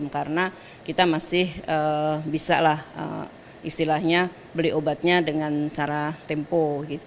karena kita masih bisa lah istilahnya beli obatnya dengan cara tempo